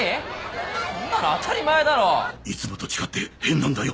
いつもと違って変なんだよ。